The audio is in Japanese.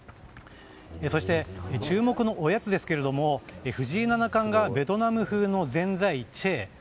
そして、注目のおやつですが藤井七冠がベトナム風のぜんざい、チェー。